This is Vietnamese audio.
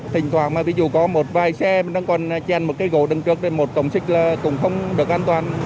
thỉnh thoảng mà ví dụ có một vài xe đang còn chèn một cái gỗ đứng trước thì một cổng xích là cũng không được an toàn